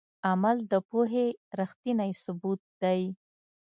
عمل د پوهې ریښتینی ثبوت دی.